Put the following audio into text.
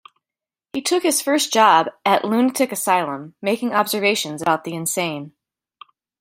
He took his first job at Lunatic Asylum making observations about the insane.